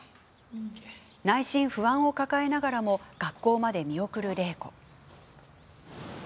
内心、不安を抱えながらも学校まで見送る令子。